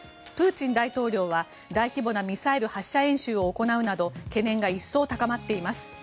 プーチン大統領は大規模なミサイル発射演習を行うなど懸念が一層高まっています。